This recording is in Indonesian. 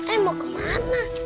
eh mau kemana